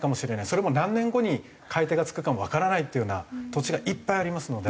それも何年後に買い手がつくかもわからないっていうような土地がいっぱいありますので。